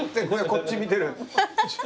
こっち見てる。